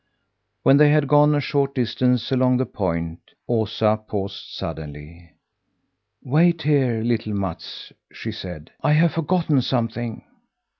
When they had gone a short distance along the point, Osa paused suddenly. "Wait here, little Mats," she said; "I have forgotten something."